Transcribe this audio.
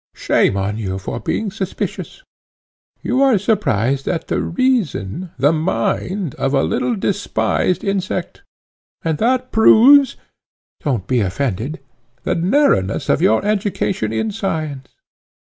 Shame on you for being suspicious! You are surprised at the reason, the mind, of a little despised insect; and that proves, don't be offended, the narrowness of your education in science.